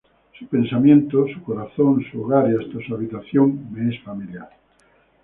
Su pensamiento, su corazón, su hogar y hasta su habitación me es familiar.